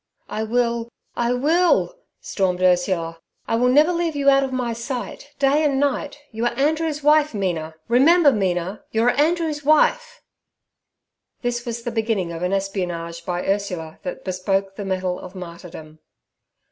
'I will—I will!' stormed Ursula. 'I will never leave you out of my sight, day and night. You are Andrew's wife, Mina; remember, Mina, you're Andrew's wife!' This was the beginning of an espionage by Ursula that bespoke the mettle of martyrdom.